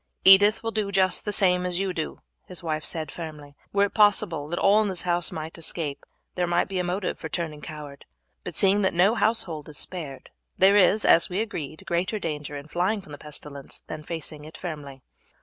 "Edith will do just the same as you do," his wife said firmly. "Were it possible that all in this house might escape, there might be a motive for turning coward, but seeing that no household is spared, there is, as we agreed, greater danger in flying from the pestilence than facing it firmly."